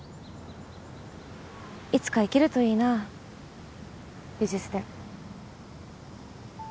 いつか行けるといいなぁ美術展。